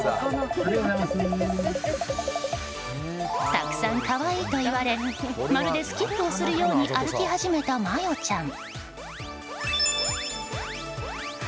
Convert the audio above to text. たくさん可愛いと言われまるでスキップをするように歩き始めたマヨちゃん。